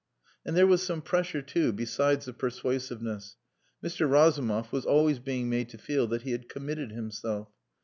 And there was some pressure, too, besides the persuasiveness. Mr. Razumov was always being made to feel that he had committed himself.